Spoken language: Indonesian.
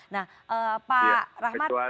nah pak rahmat